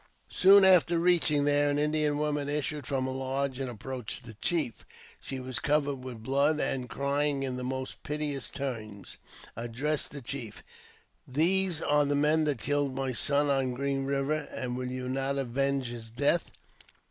Soon after reaching there, an Indian woman issued from a lodge and approached the chief. She was covered with blood, and, crying in the most piteous tones, addressed the chief: *' These are the men that killed my son on Green Eiver, and will you not avenge his death?